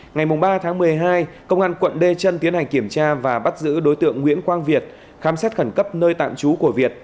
ngày ba tháng một mươi hai công an quận đê chân tiến hành kiểm tra và bắt giữ đối tượng nguyễn quang việt khám xét khẩn cấp nơi tạm trú của việt